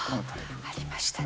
ありましたね。